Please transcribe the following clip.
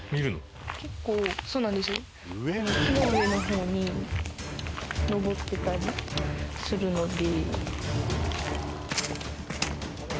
木の上の方に登ってたりするので。